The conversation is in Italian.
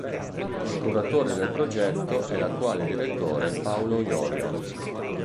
Il curatore del progetto è l'attuale direttore Paolo Jorio.